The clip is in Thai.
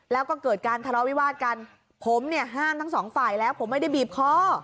แล้วก็เกิดการทะเลาวิวาสกันผมเนี่ยห้ามทั้งสองฝ่ายแล้วผมไม่ได้บีบคอ